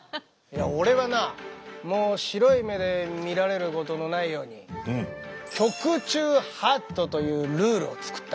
俺はなもう白い目で見られることのないように局中法度というルールを作った。